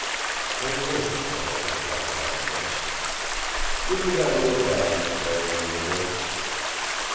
I winced, though, at that prospect. "Give me that little bag you carry on your wrist."